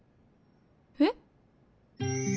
えっ？